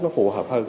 nó phù hợp hơn